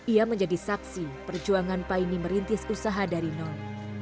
ia menjadi saksi perjuangan paine merintis usaha dari nol